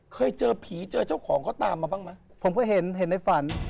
เคยเจอผีเจอเจ้าของเขาตามมาบ้างไหม